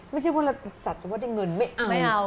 ไม่ใช่ว่าเราสัดเฉพาะเงินไม่เอา